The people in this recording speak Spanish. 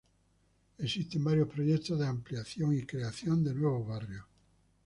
Existen varios proyectos de ampliación y creación de nuevos barrios.